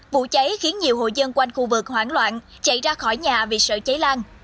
vụ cháy khiến nhiều hội dân quanh khu vực hoảng loạn chạy ra khỏi nhà vì sợ cháy lan